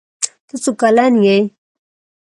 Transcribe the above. ته څو کلن يي